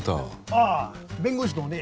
ああ弁護士のね